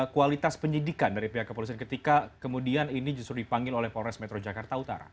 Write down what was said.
kualitas penyidikan dari pihak kepolisian ketika kemudian ini justru dipanggil oleh polres metro jakarta utara